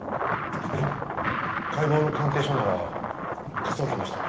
解剖の鑑定書なら科捜研の人に。